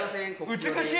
美しい！